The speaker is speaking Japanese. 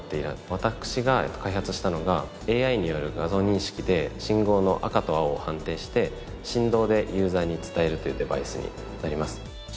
私が開発したのがＡＩによる画像認識で信号の赤と青を判定して振動でユーザーに伝えるというデバイスになります。